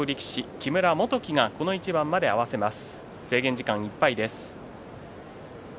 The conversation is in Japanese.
木村元基がこの一番まで合わせます。